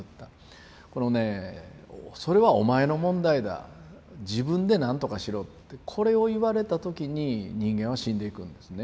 このね「それはお前の問題だ自分で何とかしろ」ってこれを言われた時に人間は死んでいくんですね。